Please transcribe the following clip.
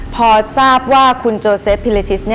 พอทราบว่าคุณโจเซฟพิเลทิส